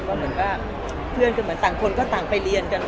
ก็เหมือนว่าเพื่อนก็เหมือนต่างคนก็ต่างไปเรียนกัน